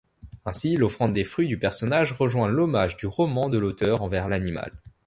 Ainsi, l'offrande des fruits du personnage rejoint l'hommage du roman de l'auteur envers l'animal.